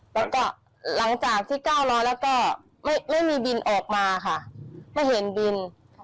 แล้วก็หลังจากที่๙๐๐แล้วก็ไม่มีบินออกมาค่ะไม่เห็นบิน